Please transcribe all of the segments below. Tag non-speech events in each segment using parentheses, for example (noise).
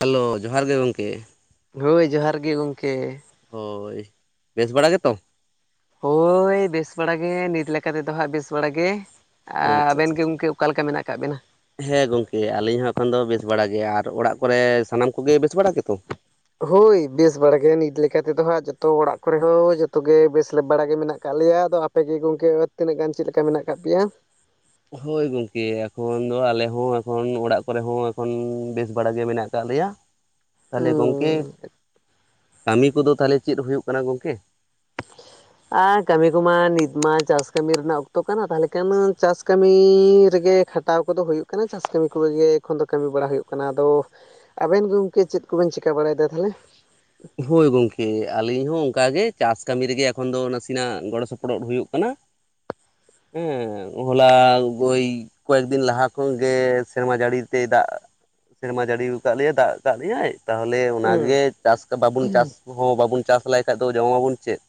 Hello ᱡᱚᱦᱟᱨ ᱜᱮ ᱜᱚᱢᱠᱮ ᱦᱳᱭ ᱡᱚᱦᱟᱨ ᱜᱮ ᱜᱚᱢᱠᱮ ᱦᱳᱭ ᱵᱮᱥ ᱵᱟᱲᱟ ᱜᱮᱛᱚ ᱦᱳᱭ ᱵᱮᱥ ᱵᱟᱲᱟ ᱜᱮ ᱱᱤᱛ ᱞᱮᱠᱟ ᱛᱮᱫᱚ ᱦᱟᱸᱜ ᱵᱮᱥ ᱵᱟᱲᱟᱜ ᱜᱮ ᱟᱪᱪᱷᱟ ᱟᱵᱮᱱ ᱟᱪᱪᱷᱟ ᱜᱮ ᱟᱪᱪᱷᱟ, ᱜᱚᱢᱠᱮ ᱚᱠᱟ ᱞᱮᱠᱟ ᱢᱮᱱᱟᱜ ᱟᱠᱟᱫ ᱵᱤᱱᱟ? ᱦᱮᱸ ᱜᱚᱝᱠᱮ ᱟᱹᱞᱤᱧ ᱦᱚᱸ ᱮᱠᱷᱚᱱ ᱫᱚ ᱵᱮᱥ ᱵᱟᱲᱟ ᱜᱮ ᱟᱨ ᱚᱲᱟᱜ ᱠᱚᱨᱮ ᱥᱟᱱᱟᱢ ᱠᱚᱜᱮ ᱵᱮᱥ ᱵᱟᱲᱟ ᱜᱮᱛᱚ ᱦᱳᱭ ᱵᱮᱥ ᱵᱟᱲᱟ ᱜᱮ ᱱᱤᱛ ᱞᱮᱠᱟ ᱛᱮᱫᱚ ᱦᱟᱜ ᱡᱚᱛᱚ ᱚᱲᱟᱜ ᱠᱚᱨᱮ ᱦᱚᱸᱚᱸ ᱡᱚᱛᱚ ᱜᱮ ᱵᱮᱥ ᱵᱟᱲᱟᱜ ᱜᱮ ᱢᱮᱱᱟᱜ ᱟᱠᱟᱫ ᱞᱮᱭᱟ ᱟᱫᱚ ᱟᱯᱮ ᱜᱮ ᱜᱚᱝᱠᱮ ᱛᱤᱱᱟᱹᱜ ᱜᱟᱱ ᱪᱮᱫ ᱞᱮᱠᱟ ᱢᱮᱱᱟᱜ ᱟᱠᱟᱫ ᱯᱮᱭᱟ ᱦᱳᱭ ᱜᱚᱝᱠᱮ ᱮᱠᱷᱚᱱ ᱫᱚ ᱟᱞᱮ ᱦᱚᱸ ᱮᱠᱷᱚᱱ ᱚᱲᱟᱜ ᱠᱚᱨᱮ ᱦᱚᱸ ᱮᱠᱷᱚᱱ ᱵᱮᱥ ᱵᱟᱲᱟ ᱜᱮ ᱢᱮᱱᱟᱜ ᱟᱠᱟᱫ ᱞᱮᱭᱟ (inaudible) ᱛᱟᱦᱚᱞᱮ ᱜᱚᱝᱠᱮ ᱦᱩᱸ ᱠᱟᱹᱢᱤ ᱠᱚᱫᱚ ᱛᱟᱦᱚᱞᱮ ᱪᱮᱫ ᱦᱩᱭᱩᱜ ᱠᱟᱱᱟ ᱜᱚᱝᱠᱮ ᱟᱨ ᱠᱟᱹᱢᱤ ᱠᱚᱢᱟ ᱱᱤᱛ ᱢᱟ ᱪᱟᱥ ᱠᱟᱹᱢᱤ ᱨᱮᱱᱟᱜ ᱚᱠᱛᱚ ᱠᱟᱱᱟ ᱛᱟᱦᱚᱞᱮ ᱠᱷᱟᱱ ᱪᱟᱥ ᱠᱟᱹᱢᱤ ᱨᱮᱜᱮ ᱠᱷᱟᱼᱼ ᱠᱷᱟᱴᱟᱣ ᱠᱚᱫᱚ ᱦᱩᱭᱩᱜ ᱠᱟᱱᱟ ᱪᱟᱥ ᱠᱟᱹᱢᱤ ᱠᱚᱜᱮ ᱮᱠᱷᱚᱱ ᱫᱚ ᱠᱟᱹᱢᱤ ᱵᱟᱲᱟ ᱦᱩᱭᱩᱜ ᱠᱟᱱᱟ ᱟᱫᱚᱼᱼ ᱟᱵᱮᱱ ᱜᱚᱝᱠᱮ ᱪᱮᱫ ᱠᱚ ᱵᱮᱱ ᱪᱮᱠᱟ ᱵᱟᱲᱟᱭ ᱮᱫᱟ ᱛᱟᱦᱚᱞᱮ? ᱦᱳᱭ ᱜᱚᱝᱠᱮ, ᱟᱞᱤᱧ ᱦᱚᱸ ᱚᱱᱠᱟ ᱜᱮ ᱪᱟᱥ ᱠᱟᱹᱢᱤ ᱨᱮᱜᱮ ᱮᱠᱷᱚᱱ ᱫᱚ, ᱱᱟᱥᱮᱱᱟᱜ ᱜᱚᱲᱚ ᱥᱚᱯᱚᱦᱚᱫ ᱦᱩᱭᱩᱜ ᱠᱟᱱᱟ᱾ ᱦᱮᱸ ᱦᱚᱞᱟ ᱵᱚᱭ ᱠᱚᱭᱮᱠᱫᱤᱱ ᱞᱟᱦᱟ ᱠᱷᱚᱱ ᱜᱮ ᱥᱮᱨᱢᱟ ᱡᱟᱹᱲᱤ ᱛᱮ ᱫᱟᱜ ᱥᱮᱨᱢᱟ ᱡᱟᱹᱲᱤ ᱟᱠᱟᱫ ᱞᱮᱟᱭ, ᱫᱟᱜ ᱟᱠᱟᱫ ᱞᱮᱭᱟᱭ᱾ ᱛᱟᱦᱚᱞᱮ ᱚᱱᱟᱜᱮ ᱪᱟᱥ ᱵᱟᱵᱚᱱ ᱪᱟᱥ ᱦᱚᱸ ᱵᱟᱵᱚᱱ ᱪᱟᱥ ᱞᱮᱟᱭᱠᱷᱟᱱᱡ ᱫᱚ ᱡᱚᱢ ᱟᱵᱚᱱ ᱪᱮᱫ?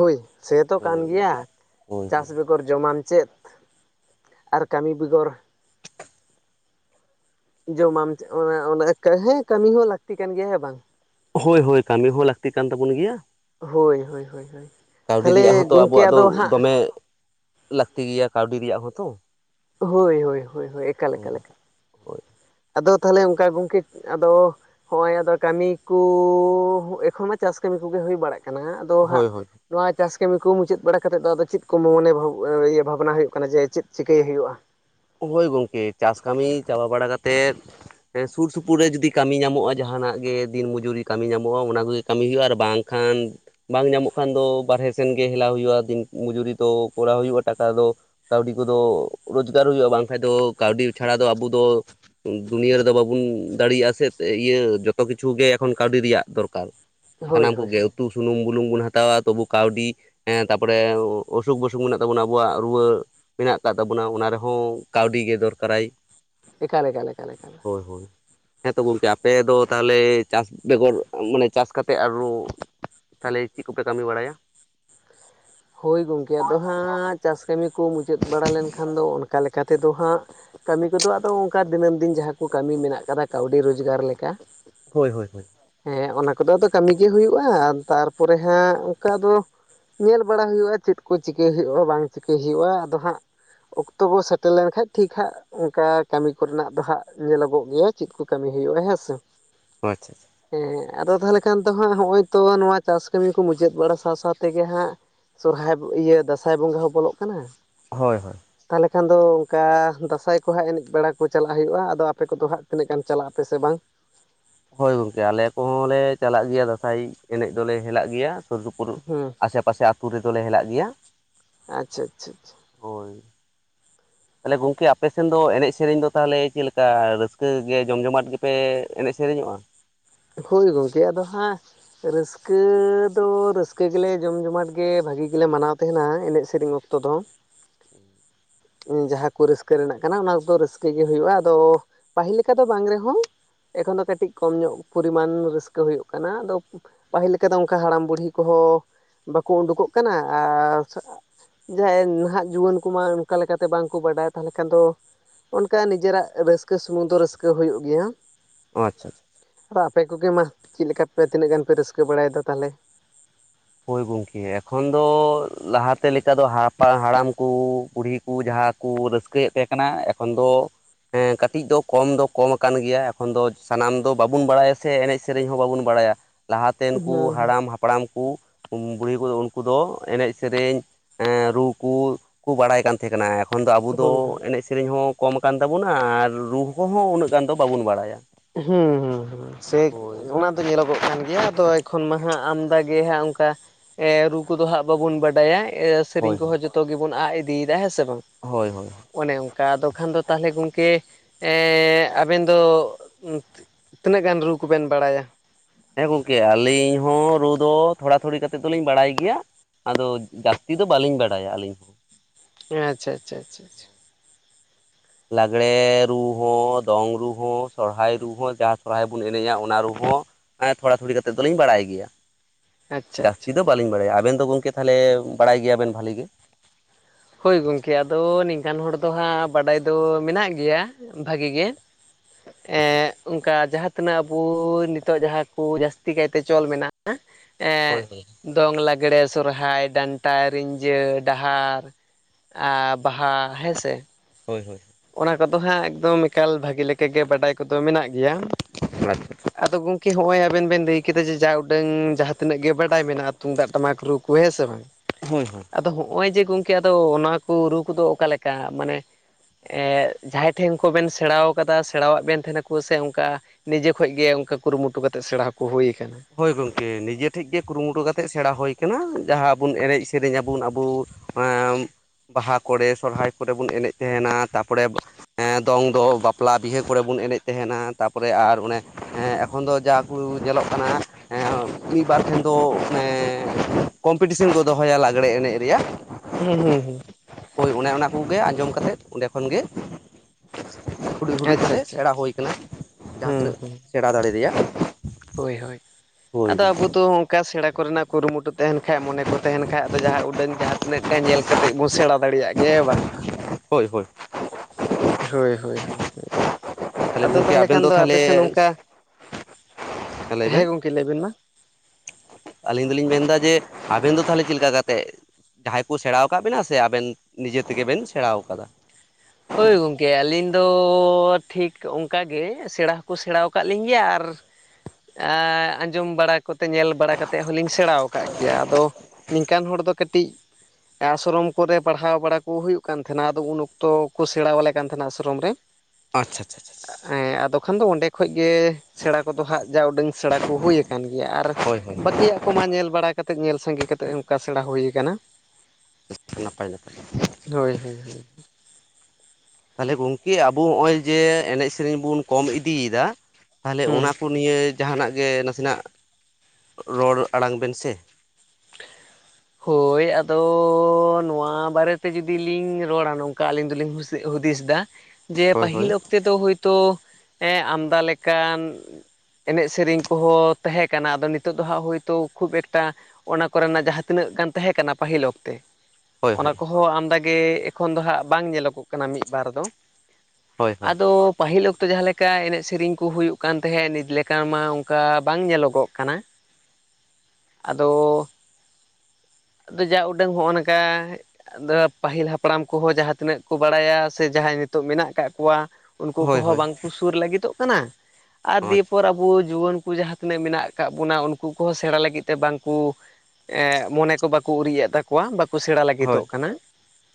ᱦᱳᱭ ᱥᱮᱛᱚ ᱠᱟᱱ ᱦᱳᱭ ᱜᱮᱭᱟ ᱜᱚᱝᱠᱮ ᱦᱳᱭ ᱾ᱪᱟᱥ ᱦᱳᱭ ᱵᱮᱜᱚᱨ ᱡᱚᱢᱟᱱ ᱪᱮᱫ ᱟᱨ ᱠᱟᱹᱢᱤ ᱵᱮᱜᱚᱨ- ᱡᱚᱢᱟᱢ ᱦᱮᱸ ᱠᱟᱹᱢᱤ ᱦᱚᱸ ᱞᱟᱹᱠᱛᱤ ᱠᱟᱱ ᱜᱮᱭᱟ ᱦᱮᱸ ᱵᱟᱝ? ᱦᱳᱭ, ᱦᱳᱭ ᱠᱟᱹᱢᱤ ᱦᱚᱸ ᱞᱟᱹᱠᱛᱤ ᱠᱟᱱ ᱛᱟᱵᱚᱱ ᱜᱮᱭᱟ᱾ ᱦᱳᱭ ᱦᱳᱭ ᱦᱳᱭ ᱦᱳᱭ ᱠᱟᱹᱣᱰᱤ ᱨᱮᱭᱟᱜ ᱛᱟᱦᱚᱞᱮ ᱦᱚᱸᱛᱚ ᱜᱚᱝᱠᱮ ᱟᱵᱚᱣᱟᱜ ᱫᱚ ᱟᱫᱚ ᱦᱟᱸᱜ ᱫᱚᱢᱮ ᱞᱟᱹᱠᱛᱤ ᱜᱮᱭᱟ ᱠᱟᱹᱣᱰᱤ ᱨᱮᱭᱟᱜ ᱦᱚᱸᱛᱚ᱾ ᱦᱳᱭ, ᱦᱳᱭ, ᱦᱳᱭ ᱮᱠᱟᱞ - ᱦᱳᱭ ᱮᱠᱟᱞ -ᱮᱠᱟᱞ᱾ ᱟᱫᱚ ᱛᱟᱦᱚᱞᱮ ᱚᱱᱠᱟ ᱜᱚᱝᱠᱮ, ᱟᱫᱚ ᱱᱚᱜᱼᱚᱭ ᱟᱫᱚ ᱠᱟᱹᱢᱤ ᱠᱚ, ᱮᱠᱷᱚᱱ ᱢᱟ ᱪᱟᱥ ᱠᱟᱹᱢᱤ ᱠᱚᱜᱮ ᱦᱩᱭ ᱵᱟᱲᱟᱜ ᱠᱟᱱᱟ᱾ ᱟᱫᱚ ᱦᱟᱸᱜ ᱦᱳᱭ ᱦᱳᱭ ᱱᱚᱣᱟ ᱪᱟᱥ ᱠᱟᱹᱢᱤ ᱠᱚ ᱢᱩᱪᱟᱹᱫ ᱵᱟᱲᱟ ᱠᱟᱛᱮᱫ ᱫᱚ, ᱟᱫᱚ ᱪᱮᱫ ᱠᱚ ᱢᱚᱱᱮ ᱤᱭᱟᱹ ᱵᱷᱟᱵᱽᱱᱟ ᱦᱩᱭᱩᱜ ᱠᱟᱱᱟ᱾ ᱡᱮ ᱪᱮᱫ ᱪᱤᱠᱟᱹᱭ ᱦᱩᱭᱩᱜᱼᱟ᱾ ᱦᱳᱭ ᱜᱚᱝᱠᱮ ᱮ ᱪᱟᱥ ᱠᱟᱹᱢᱤ ᱪᱟᱵᱟ ᱵᱟᱲᱟ ᱠᱟᱛᱮᱫ ᱾ ᱥᱩᱨ ᱥᱩᱯᱩᱨ ᱨᱮ ᱡᱩᱫᱤ ᱠᱟᱹᱢᱤ ᱧᱟᱢᱚᱜᱼᱟ ᱡᱟᱦᱟᱱᱟᱜ ᱜᱮ, ᱫᱤᱱ ᱢᱚᱡᱩᱨᱤ ᱠᱟᱹᱢᱤ ᱧᱟᱢᱚᱜᱼᱟ᱾ ᱚᱱᱟ ᱠᱚᱜᱮ ᱠᱟᱹᱢᱤ ᱦᱩᱭᱩᱜᱼᱟ ᱟᱨ ᱵᱟᱝᱠᱷᱟᱱ ᱵᱟᱝ ᱧᱟᱢᱚᱜ ᱠᱷᱟᱱ ᱫᱚ, ᱵᱟᱦᱨᱮ ᱥᱮᱱᱜ ᱦᱮᱞᱟᱣ ᱦᱩᱭᱩᱜᱼᱟ ᱾ ᱫᱤᱱ ᱢᱚᱡᱩᱨᱤ ᱛᱚ ᱠᱚᱨᱟᱣ ᱦᱩᱭᱩᱜᱼᱟ ᱾ ᱴᱟᱠᱟ ᱫᱚ ᱠᱟᱹᱣᱰᱤ ᱠᱚ ᱫᱚ ᱨᱳᱡᱽᱜᱟᱨ ᱦᱩᱭᱩᱜᱼᱟ᱾ ᱵᱟᱝᱠᱟᱱ ᱫᱚ ᱠᱟᱹᱣᱰᱤ ᱪᱷᱟᱲᱟ ᱫᱚ ᱟᱵᱚ ᱫᱚ ᱫᱩᱱᱭᱟᱹ ᱨᱮᱫᱚ ᱵᱟᱵᱚᱱ ᱫᱟᱲᱮᱭᱟᱜᱼᱟ᱾ ᱥᱮ ᱤᱭᱟᱹ ᱡᱚᱛᱚ ᱠᱤᱪᱷᱩ ᱜᱮ ᱮᱠᱷᱚᱱ ᱠᱟᱹᱣᱰᱤ ᱨᱮᱭᱟᱜ ᱫᱚᱨᱠᱟᱨ᱾ ᱦᱳᱭ ᱥᱟᱱᱟᱢ ᱦᱳᱭ ᱠᱚᱜᱮ ᱦᱳᱭ ᱩᱛᱩ, ᱥᱩᱱᱩᱢ, ᱵᱩᱞᱩᱝ, ᱵᱚᱱ ᱦᱟᱛᱟᱣᱟ ᱛᱚᱵᱩ ᱠᱟᱹᱣᱰᱤ ᱦᱮᱸ ᱛᱟᱯᱚᱨᱮ ᱚᱥᱩᱠ ᱵᱥᱩᱠ ᱢᱮᱱᱟᱜ ᱛᱟᱵᱚᱱᱟ ᱾ ᱟᱵᱚᱣᱟᱜ ᱨᱩᱣᱟᱹ ᱢᱮᱱᱟᱜ ᱟᱠᱟᱫ ᱛᱟᱵᱚᱱᱟ ᱚᱱᱟᱨᱮ ᱦᱚᱸ ᱠᱟᱹᱣᱰᱤ ᱜᱮ ᱫᱚᱨᱠᱟᱨᱟᱭ᱾ ᱮᱠᱟᱞ, ᱮᱠᱟᱞ, ᱮᱠᱟᱞ, ᱦᱳᱭ, ᱦᱳᱭ᱾ ᱦᱮᱸ ᱛᱚ ᱜᱚᱝᱠᱮ ᱟᱯᱮ ᱫᱚ ᱛᱟᱦᱚᱞᱮ, ᱪᱟᱥ ᱵᱮᱜᱚᱨ ᱢᱟᱱᱮ ᱪᱟᱥ ᱠᱟᱛᱮᱫ ᱟᱨᱚ ᱛᱟᱦᱚᱞᱮ ᱪᱮᱫ ᱠᱚᱯᱮ ᱠᱟᱹᱢᱤ ᱵᱟᱲᱟᱭᱟ? ᱦᱩᱭ ᱜᱚᱝᱠᱮ ᱟᱫᱚ ᱦᱟᱸᱜ, ᱪᱟᱥ ᱠᱟᱹᱢᱤ ᱠᱚ ᱢᱩᱪᱟᱹᱫ ᱵᱟᱲᱟ ᱞᱮᱱᱠᱷᱟᱱ ᱫᱚ, ᱚᱱᱠᱟ ᱞᱮᱠᱟᱛᱮᱫᱚ ᱦᱟᱸᱜ ᱠᱟᱹᱢᱤ ᱠᱚ-ᱫᱚ ᱟᱫᱚ ᱚᱱᱠᱟ ᱫᱤᱱᱟᱹᱢ ᱫᱤᱱ, ᱡᱟᱦᱟᱸ ᱠᱚ ᱠᱟᱹᱢᱤ ᱢᱮᱱᱟᱜ ᱟᱠᱟᱫᱟ᱾ ᱠᱟᱹᱣᱰᱤ ᱨᱳᱡᱽᱜᱟᱨ ᱞᱮᱠᱟ᱾ ᱦᱳᱭ, ᱦᱳᱭ, ᱦᱳᱭ ᱦᱮᱸ ᱚᱱᱟ ᱠᱚᱼᱫᱚ ᱟᱫᱚ ᱠᱟᱹᱢᱤᱜᱤ ᱦ ᱦᱩᱭᱩᱜᱼᱟ ᱾ ᱛᱟᱨᱯᱚᱨᱮ ᱦᱟᱸᱜ ᱚᱱᱠᱟᱫᱚ ᱧᱮᱞ ᱵᱟᱲᱟ ᱦᱩᱭᱩᱜᱼᱟ, ᱪᱮᱫ ᱠᱚ ᱪᱤᱠᱟᱹᱭ ᱦᱩᱭᱩᱜᱼᱟ᱾ ᱵᱟᱝ ᱪᱤᱠᱟᱹᱭ ᱦᱩᱭᱩᱜᱼᱟ᱾ ᱟᱫᱚ ᱦᱟᱸᱜ ᱚᱠᱛᱚ ᱵᱚ ᱥᱮᱴᱮᱨ ᱞᱮᱱᱠᱟᱱᱡ ᱴᱷᱤᱠ ᱦᱟᱸᱜ ᱚᱱᱠᱟ ᱠᱟᱹᱢᱤ ᱠᱚᱨᱮᱱᱟᱜ ᱫᱚ ᱦᱟᱸᱜ, ᱧᱮᱞᱚᱜᱚᱼᱜ ᱜᱮᱭᱟ᱾ ᱪᱮᱫ ᱠᱚ ᱠᱟᱹᱢᱤ ᱦᱩᱭᱩᱜᱼᱟ ᱦᱮᱸᱥᱮ ᱚ ᱟᱪᱪᱷᱟ ᱪᱷᱟ ᱦᱮᱸ ᱟᱫᱚ ᱛᱟᱦᱚᱞᱮ ᱠᱷᱟᱱ ᱫᱚ ᱦᱟᱸᱜ, ᱱᱚᱜᱼᱚᱭ ᱛᱚ ᱱᱚᱣᱟ ᱪᱟᱥ ᱠᱟᱹᱢᱤ ᱠᱚ ᱢᱩᱪᱟᱹᱫ ᱵᱟᱲᱟ ᱥᱟᱶ - ᱥᱟᱶ ᱛᱮᱜᱮ ᱦᱟᱸᱜ ᱥᱚᱨᱦᱟᱭ ᱤᱭᱟᱹ ᱫᱟᱸᱥᱟᱭ ᱵᱚᱸᱜᱟ ᱦᱚᱸ ᱵᱚᱞᱚᱜ ᱠᱟᱱᱟ᱾ ᱦᱳᱭ, ᱦᱳᱭ᱾ ᱛᱟᱦᱚᱞᱮ ᱠᱷᱟᱱ ᱫᱚ ᱚᱱᱠᱟ, ᱫᱟᱥᱥᱟᱭ ᱠᱚ ᱦᱟᱸᱜ ᱮᱱᱮᱡ ᱵᱟᱲᱟ ᱠᱚ ᱪᱟᱞᱟᱜ ᱦᱩᱭᱩᱜᱼᱟ ᱾ ᱟᱫᱚ ᱟᱯᱮ ᱠᱚᱼᱫᱚ ᱦᱟᱸᱜ, ᱛᱤᱱᱟᱹᱜ ᱜᱟᱱ ᱪᱟᱞᱟᱜ ᱟᱯᱮ ᱥᱮ ᱵᱟᱝ? ᱦᱳᱭ ᱜᱚᱝᱠᱮ ᱟᱞᱮ ᱠᱚᱦᱚᱸᱞ ᱞᱮ ᱪᱟᱞᱟᱜ ᱜᱮᱭᱟ᱾ ᱫᱟᱸᱥᱟᱭ ᱮᱱᱮᱡ ᱫᱚᱞᱮ ᱦᱮᱞᱟᱜ ᱜᱮᱭᱟ᱾ ᱥᱩᱨ ᱥᱩᱯᱩᱨ ᱦᱮᱸ ᱟᱥᱮ ᱯᱟᱥᱮ ᱟᱹᱛᱩ ᱨᱮᱫᱚᱞᱮ ᱦᱮᱟᱞᱜ ᱜᱮᱭᱟ᱾ ᱟᱪᱪᱷᱟ ᱟᱪᱷᱟ ᱟᱪᱪᱷᱟ᱾ ᱦᱳᱭ ᱛᱟᱦᱚᱞᱮ ᱜᱚᱝᱠᱮ ᱟᱯᱮᱥᱱ ᱫᱚ, ᱮᱱᱮᱡ ᱥᱮᱨᱮᱧ ᱫᱚ ᱛᱟᱦᱚᱞᱮ ᱪᱮᱫ ᱞᱮᱠᱟ, ᱨᱟᱹᱥᱠᱟᱹ ᱜᱮ ᱡᱚᱢ ᱡᱚᱢᱟᱴᱸ ᱜᱮᱯᱮ ᱮᱱᱮᱡ ᱥᱮᱨᱮᱧᱚᱜᱼᱟ᱾ ᱦᱳᱭ ᱜᱚᱢᱠᱮ ᱟᱫᱚ ᱦᱟᱸᱜ ᱨᱟᱹᱥᱠᱟᱹ ᱫᱚ ᱨᱟᱹᱥᱠᱟᱹ ᱜᱮᱞᱮ ᱡᱚᱢ ᱡᱚᱢᱟᱴ ᱜᱮ ᱵᱷᱟᱜᱤ ᱜᱮᱞᱮ ᱢᱟᱱᱟᱣ ᱛᱟᱦᱮᱱᱟ᱾ ᱮᱱᱮᱡ ᱥᱮᱨᱮᱧ ᱚᱠᱛᱚ ᱚᱠᱛᱚ ᱫᱚ, ᱡᱟᱦᱟᱸ ᱠᱚ ᱨᱟᱹᱥᱠᱟᱹ ᱨᱮᱱᱟᱜ ᱠᱟᱱᱟ ᱚᱱᱟ ᱠᱚᱫᱚ ᱨᱟᱹᱥᱠᱟᱹ ᱜᱮ ᱦᱩᱭᱩᱜᱼᱟ᱾ ᱟᱫᱚ ᱯᱟᱹᱦᱤᱞ ᱞᱮᱠᱟ ᱫᱚ ᱵᱟᱝ ᱨᱮᱦᱚᱸ ᱮᱠᱷᱚᱱᱳ ᱠᱟᱹᱴᱤᱡ ᱠᱚᱢ ᱧᱚᱜ ᱯᱚᱨᱤᱢᱟᱱ ᱨᱟᱹᱥᱠᱟᱹ ᱦᱩᱭᱩᱜ ᱠᱟᱱᱟ ᱟᱫᱚ ᱾ ᱯᱟᱹᱦᱤᱞ ᱞᱮᱠᱟ ᱫᱚ ᱚᱱᱠᱟ ᱦᱟᱲᱟᱢ ᱵᱩᱲᱦᱤ ᱠᱚᱦᱚᱸ ᱵᱟᱠᱚ ᱩᱰᱩᱠᱚᱜ ᱠᱟᱱᱟ ᱟᱨ ᱡᱟᱦᱟᱸᱭ ᱱᱟᱦᱟᱜ ᱡᱩᱣᱟᱹᱱ ᱠᱚᱢᱟ ᱚᱱᱠᱟ ᱞᱮᱠᱟᱛᱮ ᱵᱟᱝᱠᱚ ᱵᱟᱰᱟᱭ ᱛᱟᱦᱞᱮ ᱠᱷᱟᱱ ᱫᱚ ᱚᱱᱠᱟ ᱱᱤᱡᱮᱨᱟᱜ ᱨᱟᱹᱥᱠᱟᱹ ᱥᱩᱢᱩᱝ ᱫᱚ ᱨᱟᱹᱥᱠᱟᱹ ᱦᱩᱭᱩᱜ ᱜᱮᱭᱟ ᱾ ᱚᱪᱪᱷᱟ ᱪᱷᱟ ᱾ ᱟᱨᱚ ᱟᱯᱮ ᱠᱚᱜᱮ ᱢᱟ, ᱪᱮᱫ ᱞᱮᱠᱟ ᱯᱮ ᱛᱤᱱᱟᱹᱜ ᱜᱟᱱ ᱯᱮ ᱨᱟᱹᱥᱠᱟᱹ ᱵᱟᱲᱟᱭᱮᱫᱟ ᱛᱟᱞᱦᱮ? ᱦᱳᱭ ᱜᱚᱝᱠᱮ, ᱮᱠᱷᱚᱱ ᱫᱚ ᱞᱟᱦᱟᱛᱮ ᱞᱮᱠᱟ ᱫᱚ ᱦᱟᱯᱟ ᱦᱟᱲᱟᱢ ᱠᱩ ᱵᱩᱰᱦᱤ ᱠᱩ ᱡᱟᱦᱟᱸ ᱠᱩ ᱨᱟᱹᱥᱠᱟᱹᱭᱮᱫ ᱛᱮᱦᱮᱸ ᱠᱟᱱᱟ ᱮᱠᱷᱚᱱ ᱫᱚ ᱦᱮᱸ ᱠᱟᱹᱴᱤᱡ ᱫᱚ ᱠᱚᱢ ᱫᱚ ᱠᱚᱢ ᱟᱠᱟᱱ ᱜᱮᱭᱟ ᱮᱠᱷᱚᱱ ᱫᱚ ᱥᱟᱱᱟᱢ ᱫᱚ ᱵᱟᱵᱩᱱ ᱵᱟᱲᱟᱭᱟ ᱥᱮ ᱮᱱᱮᱡ ᱥᱮᱨᱮᱧ ᱦᱚᱸ ᱵᱟᱵᱩᱱ ᱵᱟᱲᱟᱭᱟ, ᱞᱟᱦᱟᱛᱮᱱ ᱠᱩ ᱦᱩᱸ ᱦᱟᱲᱟᱢ ᱦᱟᱯᱲᱟᱢ ᱠᱩ ᱵᱩᱲᱦᱤ ᱠᱚᱫᱚ ᱩᱱᱠᱩ ᱫᱚ ᱮᱱᱮᱡ ᱥᱮᱨᱮᱧ ᱮ ᱨᱩ ᱠᱩ ᱠᱚ ᱵᱟᱲᱟᱭ ᱠᱟᱱ ᱛᱮᱦᱮᱸ ᱠᱟᱱᱟ ᱾ ᱠᱷᱚᱱ ᱫᱚ ᱟᱵᱩ ᱫᱚ ᱦᱳᱭ ᱦᱳᱭ ᱮᱱᱮᱡ ᱥᱮᱨᱮᱧ ᱦᱚᱸ ᱠᱚᱢ ᱟᱠᱟᱱ ᱛᱟᱵᱩᱱᱟ, ᱟᱨ ᱨᱩ ᱠᱚᱦᱚᱸ ᱩᱱᱟᱹᱜ ᱜᱟᱱ ᱫᱚ ᱵᱟᱵᱩᱱ ᱵᱟᱲᱟᱭᱟ ᱾ ᱦᱩᱸ ᱦᱩᱸ ᱦᱩᱸ ᱥᱮ ᱚᱱᱟ ᱫᱟ ᱧᱮᱞᱚᱜᱚᱜ ᱠᱟᱱ ᱜᱮᱭᱟ, ᱟᱫᱚ ᱮᱠᱷᱚᱱ ᱢᱟ ᱦᱟᱸᱜ ᱟᱢᱫᱟ ᱜᱮ ᱦᱟᱸᱜ ᱚᱱᱠᱟ ᱮᱻ ᱨᱩ ᱠᱚᱫᱚ ᱦᱟᱸᱜ ᱵᱟᱵᱚᱱ ᱵᱟᱰᱟᱭᱟ ᱾ ᱮᱻ ᱥᱮᱨᱮᱧ ᱦᱳᱭ ᱦᱳᱭ ᱠᱚᱦᱚᱸ ᱡᱚᱛᱚ ᱜᱮᱵᱚᱱ ᱟᱜ ᱤᱫᱤᱭᱮᱫᱟ ᱦᱮᱸ ᱥᱮ ᱵᱟᱝ? ᱦᱳᱭ ᱦᱳᱭ, ᱚᱱᱮ ᱚᱱᱠᱟ ᱟᱫᱚ ᱠᱷᱟᱱ ᱫᱚ ᱛᱟᱞᱦᱮ ᱜᱩᱝᱠᱮ ᱮᱻ ᱟᱵᱮᱱ ᱫᱚ ᱛᱤᱱᱟᱹᱜ ᱜᱟᱱ ᱨᱩ ᱠᱚᱵᱮᱱ ᱵᱟᱲᱟᱭᱟ? ᱦᱮᱸ ᱜᱚᱝᱠᱮ ᱟᱹᱞᱤᱧ ᱦᱚᱸ ᱨᱩ ᱫᱚ ᱛᱷᱚᱲᱟ ᱛᱷᱩᱲᱤ ᱠᱟᱛᱮᱫ ᱫᱚᱞᱤᱧ ᱵᱟᱲᱟᱭ ᱜᱮᱭᱟ ᱾ ᱟᱫᱚ ᱡᱟᱹᱥᱛᱤ ᱫᱚ ᱵᱟᱹᱞᱤᱧ ᱵᱟᱰᱟᱭᱟ ᱟᱹᱞᱤᱧ ᱦᱚᱸ ᱾ ᱟᱪᱪᱷᱟ ᱟᱪᱪᱷᱟ ᱟᱪᱪᱷᱟ ᱟᱪᱪᱷᱟ ᱾ ᱞᱟᱜᱽᱲᱮ ᱨᱩ ᱦᱚᱸ ᱫᱚᱝ ᱨᱩ ᱦᱚᱸ ᱥᱚᱨᱦᱟᱭ ᱨᱩ ᱦᱚᱸ ᱡᱟᱦᱟᱸ ᱥᱚᱨᱦᱟᱭ ᱵᱩᱱ ᱮᱱᱮᱡ-ᱟ ᱚᱱᱟ ᱨᱩ ᱦᱚᱸ ᱦᱮᱸ ᱛᱷᱚᱲᱟ ᱛᱷᱚᱲᱤ ᱠᱟᱛᱮᱫ ᱫᱚᱞᱤᱧ ᱵᱟᱲᱟᱭ ᱜᱮᱭᱟ ᱾ ᱟᱪᱪᱷᱟ ᱡᱟᱹᱥᱛᱤ ᱟᱪᱪᱷᱟ ᱫᱚ ᱵᱟᱹᱞᱤᱧ ᱵᱟᱲᱟᱭᱟ ᱾ ᱟᱵᱮᱱ ᱫᱚ ᱜᱚᱝᱠᱮ ᱛᱷᱟᱞᱮ ᱵᱟᱲᱟᱭ ᱜᱮᱭᱟᱵᱮᱱ ᱵᱷᱟᱞᱤ ᱜᱮ? ᱦᱳᱭ ᱜᱚᱝᱠᱮ ᱟᱫᱚ ᱱᱤᱝᱠᱟᱱ ᱦᱚᱲ ᱫᱚ ᱦᱟᱸᱜ ᱵᱟᱰᱟᱭ ᱫᱚ ᱢᱮᱱᱟᱜ ᱜᱮᱭᱟ ᱵᱷᱟᱹᱜᱤ ᱜᱮ ᱾ ᱮᱜ ᱚᱱᱠᱟ ᱡᱟᱦᱟᱸ ᱛᱤᱱᱟᱹᱜ ᱟᱵᱩ ᱱᱤᱛᱚᱜ ᱡᱟᱦᱟᱸ ᱠᱩ ᱡᱟᱹᱥᱛᱤ ᱠᱟᱭᱛᱮ ᱪᱚᱞ ᱢᱮᱱᱟᱜ ᱮᱸᱜ ᱦᱳᱭ ᱦᱳᱭ (unintelligible) ᱫᱚᱝ, ᱞᱟᱜᱽᱲᱮ, ᱥᱚᱨᱦᱟᱭ, ᱰᱟᱱᱴᱟ, ᱨᱤᱡᱟᱹ, ᱰᱟᱦᱟᱨ ᱟᱻ ᱵᱟᱦᱟ ᱦᱮᱸ ᱥᱮ ᱾ ᱦᱳᱭ ᱦᱳᱭ, ᱚᱱᱟ ᱠᱚᱫᱚ ᱦᱟᱸᱜ ᱮᱠᱫᱚᱢ ᱮᱠᱟᱞ ᱵᱷᱹᱟᱜᱤ ᱞᱮᱠᱟᱜᱮ ᱵᱟᱰᱟᱭ ᱠᱚᱫᱚ ᱢᱮᱱᱟᱜ ᱜᱮᱭᱟ ᱾ ᱟᱪᱪᱷᱟ ᱟᱪᱪᱷᱟ, ᱟᱫᱚ ᱜᱚᱝᱠᱮ ᱦᱚᱸᱜᱼᱚᱭ ᱟᱵᱮᱱ ᱵᱮᱱ ᱞᱟᱹᱭ ᱠᱮᱫᱟ ᱡᱮ ᱡᱟ ᱩᱰᱟᱹᱝ ᱡᱟᱦᱟᱸ ᱛᱤᱱᱟᱹᱜ ᱜᱮ ᱵᱟᱰᱟᱭ ᱢᱮᱱᱟᱜ-ᱟ ᱛᱩᱢᱫᱟᱜ ᱴᱟᱢᱟᱠ ᱨᱩ ᱠᱚ ᱦᱮᱸ ᱥᱮ ᱵᱟᱝ? ᱦᱳᱭ ᱦᱳᱭ, ᱟᱫᱚ ᱦᱚᱜ-ᱚᱭ ᱡᱮ ᱜᱚᱝᱠᱮ ᱟᱫᱚ ᱱᱚᱣᱟ ᱠᱚ ᱨᱩ ᱠᱚᱫᱚ ᱚᱠᱟᱞᱮᱠᱟ? ᱢᱟᱱᱮ ᱮᱫᱻ ᱡᱟᱸᱦᱟᱭ ᱴᱷᱮᱱ ᱠᱚᱵᱮᱱ ᱥᱮᱬᱟᱣ ᱠᱟᱫᱟ ᱥᱮᱬᱟᱣᱟᱜ ᱵᱮᱱ ᱛᱮᱦᱮᱱᱟᱠᱚ ᱥᱮ ᱚᱱᱠᱟ ᱱᱤᱡᱮ ᱠᱷᱡ ᱜᱮ ᱚᱱᱠᱟ ᱠᱩᱨᱩᱢᱩᱴᱩ ᱠᱟᱛᱮ ᱥᱮᱬᱟ ᱦᱚ ᱦᱩᱭ ᱠᱟᱱᱟ ᱾ ᱦᱳᱭ ᱜᱚᱝᱠᱮ ᱱᱤᱡᱮ ᱴᱷᱮᱡ ᱜᱮ ᱠᱩᱨᱩᱢᱩᱴᱩ ᱠᱟᱛᱮᱫ ᱥᱮᱬᱟ ᱦᱳᱭ ᱠᱟᱱᱟ ᱾ ᱡᱟᱦᱟᱸ ᱟᱵᱩᱱ ᱮᱱᱮᱡ ᱥᱮᱨᱮᱧ ᱟᱵᱩᱱ ᱟᱵᱩ ᱾ ᱵᱟᱦᱟ ᱠᱚᱨᱮ ᱥᱚᱨᱦᱟᱭ ᱠᱚᱨᱮ ᱵᱚᱱ ᱮᱱᱮᱡ ᱛᱮᱦᱮᱱᱟ ᱛᱟᱯᱚᱨᱮ ᱮᱻ ᱫᱚᱝ ᱫᱚ ᱵᱟᱯᱞᱟ ᱵᱤᱦᱟᱹ ᱠᱚᱨᱮ ᱵᱚᱱ ᱮᱱᱮᱡ ᱛᱮᱦᱮᱱᱟ, ᱛᱟᱯᱚᱨᱮ ᱟᱨ ᱚᱱᱮ ᱮᱠᱷᱚᱱ ᱫᱚ ᱡᱟᱠ ᱠᱩᱲᱩ ᱧᱮᱞᱚᱜ ᱠᱟᱱᱟ ᱦᱮᱸ ᱢᱤᱫ ᱵᱟᱨ ᱴᱷᱮᱱ ᱫᱚ ᱢᱟᱱᱮ ᱠᱚᱢᱯᱤᱴᱤᱥᱮᱱ ᱠᱚ ᱫᱚᱦᱚᱭᱟ ᱞᱟᱜᱽᱲᱮ ᱮᱱᱮᱡ ᱨᱮᱭᱟᱜ᱾ ᱦᱩᱸ ᱦᱩᱸ ᱦᱩᱸ᱾ ᱦᱳᱭ ᱚᱱᱮ ᱚᱱᱟ ᱠᱚᱜᱮ ᱟᱸᱡᱚᱢ ᱠᱟᱛᱮᱫ ᱚᱸᱰᱮ ᱠᱷᱚᱱ ᱜᱮ ᱦᱩᱰᱩᱡ ᱦᱩᱰᱩᱡ ᱟᱪᱪᱷᱟ ᱠᱟᱛᱮᱫ ᱟᱪᱪᱷᱟ ᱥᱮᱬᱟ ᱟᱪᱪᱷᱟ ᱦᱩᱭ ᱠᱟᱱᱟ ᱡᱟᱦᱟᱸ ᱦᱩᱸ ᱛᱤᱱᱟᱹᱜ ᱦᱩᱸ ᱥᱮᱬᱟ ᱫᱟᱲᱮ ᱨᱮᱭᱟᱜ᱾ ᱦᱳᱭ ᱦᱳᱭ ᱦᱳᱭ ᱟᱫᱚ ᱟᱵᱚ ᱫᱚ ᱠᱟ ᱥᱮᱬᱟ ᱠᱚᱨᱮᱱᱟᱜ ᱠᱩᱨᱩᱢᱩᱴᱩ ᱛᱟᱦᱮᱱ ᱠᱷᱟᱡ ᱢᱚᱱᱮ ᱠᱚ ᱛᱟᱦᱮᱱ ᱠᱷᱟᱡ ᱟᱫᱚ ᱡᱟᱦᱟᱸ ᱩᱰᱟᱹᱱ ᱡᱟᱦᱟᱸ ᱛᱤᱱᱟᱹᱜ ᱜᱮ ᱧᱮᱞ ᱠᱟᱛᱮᱜ ᱵᱚᱱ ᱥᱮᱬᱟ ᱫᱟᱲᱮᱭᱟᱜ ᱜᱮᱭᱟ ᱦᱮᱸ ᱵᱟᱝ? ᱦᱳᱭ ᱦᱳᱭ᱾ ᱦᱳᱭ ᱦᱳᱭ ᱦᱳᱭ ᱦᱳᱭ, ᱛᱟᱦᱚᱞᱮ ᱟᱫᱚ ᱜᱚᱢᱠᱮ ᱛᱟᱦᱞᱮ ᱟᱵᱮᱱ ᱠᱷᱟᱱ ᱫᱚ ᱟᱯᱮ ᱥᱮᱱ ᱛᱟᱦᱚᱞᱮ ᱚᱝᱠᱟ ᱞᱟᱹᱭ ᱵᱮᱱ ᱦᱮᱸ ᱜᱚᱝᱠᱮ ᱞᱟᱹᱭᱵᱮᱱ ᱢᱟ᱾ ᱟᱹᱞᱤᱧ ᱫᱚᱞᱤᱧ ᱢᱮᱱᱫᱟ ᱡᱮ ᱟᱵᱮᱱ ᱫᱚ ᱛᱟᱦᱞᱮ ᱪᱮᱫ ᱞᱮᱠᱟ ᱠᱟᱛᱮᱫ? ᱡᱟᱦᱟᱸᱭ ᱠᱚ ᱥᱮᱬᱟᱣ ᱠᱟᱜ ᱵᱮᱱᱟ ᱥᱮ ᱟᱵᱮᱱ ᱱᱤᱡᱮ ᱛᱮᱜᱮ ᱵᱮᱱ ᱥᱮᱬᱟᱣ ᱠᱟᱫᱟ? ᱦᱳᱭ ᱜᱚᱝᱠᱮ ᱟᱹᱞᱤᱧ ᱫᱚ ᱴᱷᱤᱠ ᱚᱱᱠᱟ ᱜᱮ ᱥᱮᱬᱟ ᱦᱚᱸᱠᱚ ᱥᱮᱬᱟᱣᱟᱠᱟᱜ ᱞᱤᱧ ᱜᱮᱭᱟ ᱟᱨ ᱮᱸᱜ, ᱟᱸᱡᱚᱢ ᱵᱟᱲᱟ ᱠᱚᱛᱮ ᱧᱮᱞ ᱵᱟᱲᱟ ᱠᱟᱛᱮᱫ ᱦᱚᱞᱤᱧ ᱥᱮᱬᱟᱣ ᱠᱟᱜ ᱜᱮᱭᱟ ᱟᱫᱚ᱾ ᱱᱤᱝᱠᱟᱱ ᱦᱚᱲ ᱫᱚ ᱠᱟᱹᱴᱤᱡ ᱟᱥᱨᱚᱢ ᱠᱚᱨᱮ ᱯᱟᱲᱦᱟᱣ ᱵᱟᱲᱟ ᱠᱚ ᱦᱩᱭᱩᱜ ᱠᱟᱱ ᱛᱟᱸᱦᱮᱱᱟ ᱟᱫᱚ ᱩᱱ ᱚᱠᱛᱚ᱾ ᱠᱚ ᱥᱮᱬᱟᱣᱟᱞᱮ ᱠᱟᱱ ᱛᱟᱸᱦᱮᱱᱟ ᱟᱥᱨᱚᱢ ᱨᱮ᱾ ᱟᱪᱪᱷᱟ ᱪᱷᱟ ᱪᱷᱟ ᱪᱷᱟ᱾ ᱮᱸ, ᱟᱫᱚ ᱠᱷᱟᱱ ᱫᱚ ᱚᱸᱰᱮ ᱠᱷᱚᱡ ᱜᱮ᱾ ᱥᱮᱬᱟ ᱠᱚᱫᱚ ᱦᱟᱸᱜ ᱡᱟ ᱩᱰᱟᱹᱝ ᱥᱮᱬᱟ ᱠᱚ ᱦᱩᱭ ᱟᱠᱟᱱ ᱜᱮᱭᱟ ᱟᱨ ᱦᱳᱭ ᱦᱳᱭ ᱵᱟᱹᱠᱤᱭᱟᱜ ᱠᱚ ᱢᱟ ᱧᱮᱞ ᱵᱟᱲᱟ ᱠᱟᱛᱮᱜ ᱧᱮᱞ ᱥᱟᱸᱜᱮ ᱠᱟᱛᱮᱜ ᱚᱝᱠᱟ ᱥᱮᱬᱟ ᱦᱩᱭ ᱟᱠᱟᱱᱟ᱾ ᱱᱟᱯᱟᱭ ᱱᱟᱯᱟᱭ᱾ ᱦᱳᱭ ᱦᱳᱭ ᱦᱳᱭ ᱦᱳᱭ᱾ ᱛᱟᱦᱞᱮ ᱜᱚᱝᱠᱮ ᱟᱵᱚ ᱦᱚᱸᱜ-ᱚᱭ ᱡᱮ ᱮᱱᱮᱡ ᱥᱮᱨᱮᱧ ᱵᱚᱱ ᱠᱚᱢ ᱤᱫᱤᱭᱮᱫᱟ, ᱛᱟᱦᱞᱮ ᱦᱩᱸ ᱚᱱᱟ ᱠᱚ ᱱᱤᱭᱟᱹ ᱡᱟᱸᱦᱟᱱᱟᱜ ᱜᱮ ᱱᱟᱥᱮᱱᱟᱜ ᱨᱚᱲ ᱟᱲᱟᱝ ᱵᱮᱱ ᱥᱮ᱾ ᱦᱳᱭ ᱟᱫᱚᱻ ᱱᱚᱣᱟ ᱵᱟᱨᱮᱛᱮ ᱡᱩᱫᱤ ᱞᱤᱧ ᱨᱚᱲᱟ ᱱᱚᱝ ᱠᱟ ᱟᱹᱞᱤᱧ ᱫᱚᱞᱤᱧ ᱦᱩᱥᱤ, ᱦᱩᱫᱤᱥᱫᱟ ᱡᱮ ᱦᱳᱭ ᱯᱟᱹᱦᱤᱞ ᱦᱳᱭ ᱚᱠ ᱛᱮᱫᱚ ᱦᱳᱭᱛᱚ ᱮᱸᱜ ᱟᱢᱫᱟ ᱞᱮᱠᱟᱱ ᱮᱱᱮᱡ ᱥᱮᱨᱮᱧ ᱠᱚᱦᱚᱸ ᱛᱮᱦᱮᱸ ᱠᱟᱱᱟ ᱟᱫᱚ ᱱᱤᱛᱳᱜ ᱫᱚ ᱦᱟᱸᱜ ᱦᱳᱭᱛᱳ ᱠᱷᱩᱵ ᱮᱠᱴᱟ ᱚᱱᱟ ᱠᱚᱨᱮᱱᱟᱜ ᱡᱟᱦᱟᱸ ᱛᱤᱱᱟᱹᱜ ᱜᱟᱱ ᱛᱟᱦᱮᱸ ᱠᱟᱱᱟ ᱯᱟᱹᱦᱤᱞ ᱚᱠᱛᱮ ᱦᱳᱭ ᱚᱱᱟ ᱦᱳᱭ ᱠᱚ ᱦᱚᱸ ᱟᱢᱫᱟ ᱜᱮ ᱮᱠᱷᱚᱱ ᱫᱚ ᱦᱟᱸᱜ ᱵᱟᱝ ᱧᱮᱞᱚᱜᱚᱜ ᱠᱟᱱᱟ ᱢᱤᱫ ᱵᱟᱨ ᱫᱚ᱾ ᱦᱳᱭ ᱦᱳᱭ ᱟᱫᱚ ᱯᱟᱹᱦᱤᱞ ᱚᱠᱛᱚ ᱡᱟᱦᱟᱸ ᱞᱮᱠᱟ ᱮᱱᱮᱡ ᱥᱮᱨᱮᱧ ᱠᱚ ᱦᱩᱭᱩᱜ ᱠᱟᱱ ᱛᱟᱦᱮᱸᱫ ᱱᱤᱛ ᱢᱟ ᱚᱱᱠᱟ ᱵᱟᱝ ᱧᱮᱞᱚᱜᱚᱜ ᱠᱟᱱᱟ᱾ ᱟᱫᱚ ᱟᱫᱚ ᱡᱟ ᱩᱰᱟᱹᱝ ᱦᱚᱸᱜ-ᱚ ᱱᱚᱝᱠᱟ (unintelligible) ᱯᱟᱹᱦᱤᱞ ᱦᱟᱯᱲᱟᱢ ᱠᱚᱦᱚᱸ ᱡᱟᱦᱟᱸ ᱛᱤᱱᱟᱹᱜ ᱠᱚ ᱵᱟᱲᱟᱭᱟ ᱥᱮ ᱡᱟᱦᱟᱸᱭ ᱱᱤᱛᱳᱜ ᱢᱮᱱᱟᱜ ᱠᱟᱜ ᱠᱚᱣᱟ᱾ ᱩᱱᱠᱩ ᱦᱳᱭ ᱠᱚᱦᱚᱸ ᱦᱳᱭ ᱵᱟᱝᱠᱚ ᱥᱩᱨ ᱞᱟᱹᱜᱤᱫᱚᱜ ᱠᱟᱱᱟ ᱟᱨ ᱦᱳᱭ ᱫᱤᱭᱮᱯᱚᱨ ᱟᱵᱚ ᱡᱩᱣᱟᱹᱱ ᱠᱚ ᱡᱟᱦᱟᱸ ᱛᱤᱱᱟᱹᱜ ᱢᱮᱱᱟᱜ ᱟᱠᱟᱫ ᱵᱚᱱᱟ ᱩᱱᱠᱩ ᱠᱚᱦᱚᱸ ᱥᱮᱬᱟ ᱞᱟᱹᱜᱤᱫ ᱛᱮ ᱵᱟᱝᱠᱚ ᱮᱸᱜ ᱢᱚᱱᱮ ᱠᱚ ᱵᱟᱠᱚ ᱩᱨᱤᱡ ᱮᱜ ᱛᱟᱠᱚᱣᱟ ᱵᱟᱠᱚ ᱥᱮᱬᱟ ᱦᱳᱭ ᱞᱟᱹᱜᱤᱛᱚᱜ ᱠᱟᱱᱟ᱾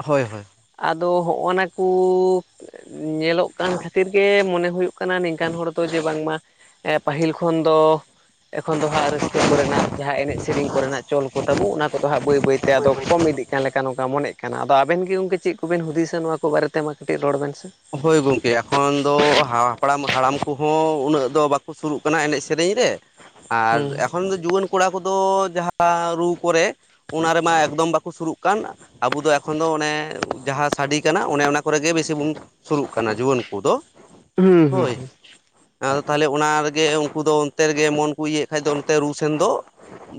ᱦᱳᱭ ᱦᱳᱭ ᱟᱫᱚ ᱦᱚᱸᱜ-ᱚᱱᱟ ᱠᱩᱻ ᱧᱮᱞᱚᱜ ᱠᱟᱱ ᱠᱷᱟᱹᱛᱤᱨ ᱜᱮ ᱢᱚᱱᱮ ᱦᱩᱭᱩᱜ ᱠᱟᱱᱟ ᱱᱤᱝᱠᱟᱱ ᱦᱚᱲ ᱫᱚ ᱡᱮ ᱵᱟᱝᱢᱟ ᱯᱟᱹᱦᱤᱞ ᱠᱷᱚᱱ ᱫᱚ ᱮᱠᱷᱚᱱ ᱫᱚ ᱦᱟᱸᱜ ᱨᱟᱹᱥᱠᱟᱹ ᱠᱚᱨᱮᱱᱟᱜ ᱡᱟᱦᱟᱸ ᱮᱱᱮᱡ ᱥᱮᱨᱮᱧ ᱠᱚᱨᱮᱱᱟᱜ ᱪᱚᱞ ᱠᱚ ᱛᱟᱵᱚ ᱚᱱᱟ ᱠᱚᱫᱚ ᱦᱟᱸᱜ ᱵᱟᱹᱭ ᱵᱟᱹᱭᱛᱮ ᱟᱫᱚ ᱠᱚᱢ ᱤᱫᱤᱜ ᱠᱟᱱ ᱞᱮᱠᱟ ᱱᱚᱝᱠᱟ ᱢᱚᱱᱮᱜ ᱠᱟᱱᱟ ᱟᱫᱚ ᱟᱵᱮᱱ ᱜᱮ ᱜᱚᱝᱠᱮ ᱪᱮᱫ ᱠᱚᱵᱮᱱ ᱦᱩᱫᱤᱥᱟ ᱱᱚᱣᱟ ᱠᱚ ᱵᱟᱨᱮᱛᱮ? ᱢᱟ ᱠᱟᱹᱴᱤᱡ ᱨᱚᱲ ᱵᱮᱱ ᱥᱮ᱾ ᱦᱳᱭ ᱜᱚᱝᱠᱮ ᱮᱠᱷᱚᱱ ᱫᱚ ᱦᱟᱯᱲᱟᱢ, ᱦᱟᱲᱟᱢ ᱠᱚᱦᱚᱸ ᱩᱱᱟᱹᱜ ᱫᱚ ᱵᱟᱠᱚ ᱥᱩᱨᱩᱜ ᱠᱟᱱᱟ ᱮᱱᱮᱡ ᱥᱮᱨᱮᱧ ᱨᱮ᱾ ᱟᱨ ᱦᱩᱸ ᱮᱠᱷᱚᱱ ᱫᱚ ᱡᱩᱣᱟᱹᱱ ᱠᱚᱲᱟ ᱠᱚᱫᱚ ᱡᱟᱦᱟᱸ ᱨᱩ ᱠᱚᱨᱮ ᱚᱱᱟ ᱨᱮᱢᱟ ᱮᱠᱫᱚᱢ ᱵᱟᱠᱚ ᱥᱩᱨᱩᱜ ᱠᱟᱱ, ᱟᱵᱚ ᱫᱚ ᱮᱠᱷᱚᱱ ᱫᱚ ᱚᱱᱮ ᱡᱟᱦᱟᱸ ᱥᱟᱰᱮ ᱠᱟᱱᱟ ᱚᱱᱮ ᱚᱱᱟ ᱠᱚᱨᱮᱜᱮ ᱵᱮᱥᱤ ᱵᱚᱱ ᱥᱩᱨᱩᱜ ᱠᱟᱱᱟ ᱡᱩᱣᱟᱹᱱ ᱠᱚᱫᱚ, ᱦᱩᱸ ᱦᱩᱸ ᱦᱳᱭ᱾ ᱦᱩᱸ ᱟᱫᱚ ᱛᱟᱦᱚᱞᱮ ᱚᱱᱟ ᱨᱮᱜᱮ ᱩᱱᱠᱩ ᱫᱚ ᱚᱱᱛᱮ ᱨᱮᱜᱮ ᱢᱚᱱ ᱠᱚ ᱤᱭᱟᱹᱭᱮᱫ ᱠᱷᱟᱡ ᱫᱚ ᱚᱱᱛᱮ ᱨᱩ ᱥᱮᱱ ᱫᱚ,